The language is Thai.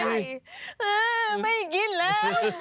ไม่ได้กินเลย